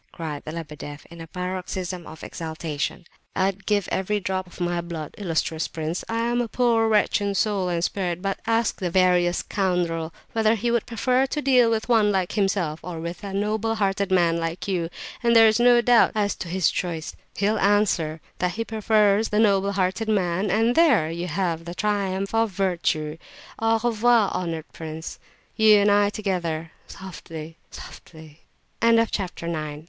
cried Lebedeff, in a paroxysm of exaltation. "I'd give every drop of my blood... Illustrious prince, I am a poor wretch in soul and spirit, but ask the veriest scoundrel whether he would prefer to deal with one like himself, or with a noble hearted man like you, and there is no doubt as to his choice! He'll answer that he prefers the noble hearted man—and there you have the triumph of virtue! Au revoir, honoured prince!